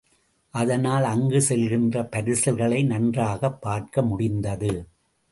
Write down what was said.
அதனால் அங்கு செல்கின்ற பரிசல்களை நன்றாகப் பார்க்க முடிந்தது.